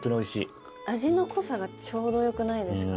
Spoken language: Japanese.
味の濃さがちょうどよくないですか？